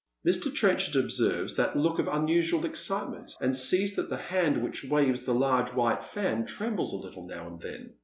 Mr. Trenchard observes that look of unusual excitement, and sees that the hand which waves the large white fan trembles a little now and then.